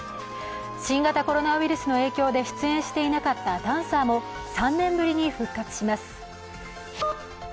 新型コロナウイルスの影響で出演していなかったダンサーも３年ぶりに復活します。